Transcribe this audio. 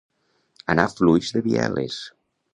Anar fluix de bieles.